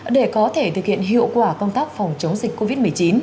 để có thể thực hiện hiệu quả công tác phòng chống dịch covid một mươi chín